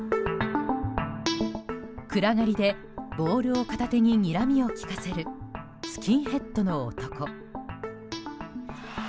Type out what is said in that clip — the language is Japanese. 暗がりでボールを片手ににらみを利かせるスキンヘッドの男。